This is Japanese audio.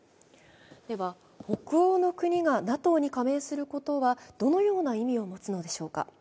では、北欧の国がＮＡＴＯに加盟することはどのような意味を持つのでしょうか。